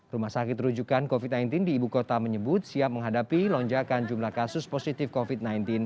rumah sakit rujukan covid sembilan belas di ibu kota menyebut siap menghadapi lonjakan jumlah kasus positif covid sembilan belas